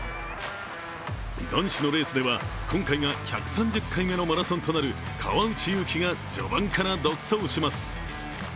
男子のレースでは今回が１３０回目のマラソンとなる川内優輝が序盤から独走します。